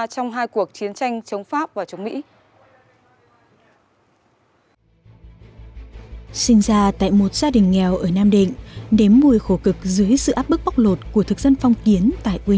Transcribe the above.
trong hai cuộc chiến tranh chống pháp và chống mỹ